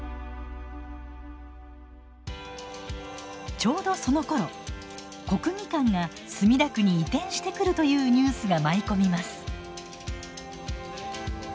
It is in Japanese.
ちょうどそのころ国技館が墨田区に移転してくるというニュースが舞い込みます。